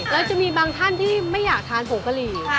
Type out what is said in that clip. แล้วจะมีบางท่านที่ไม่อยากทานผงกะหรี่